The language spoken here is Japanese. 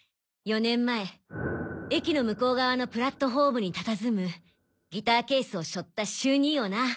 ４年前駅の向こう側のプラットホームにたたずむギターケースを背負った秀兄をな！